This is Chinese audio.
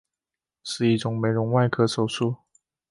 是一种美容外科手术。